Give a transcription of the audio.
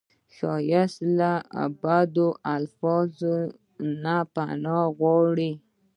ښایست له بدو لفظونو نه پناه غواړي